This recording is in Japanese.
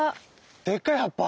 でかい葉っぱ？